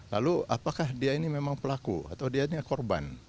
lalu apakah dia ini memang pelaku atau dia ini korban